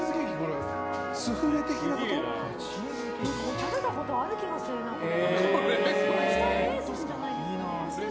食べたことある気がするなこれ。